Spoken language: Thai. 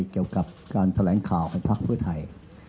เกี่ยวกับการแถลงข่าวของพักเพื่อไทย